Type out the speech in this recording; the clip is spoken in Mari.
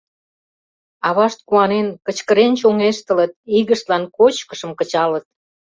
Авашт куанен, кычкырен чоҥештылыт, игыштлан кочкышым кычалыт.